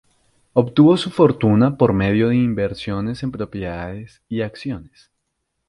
Obtuvo su fortuna por medio de inversiones en propiedades y acciones.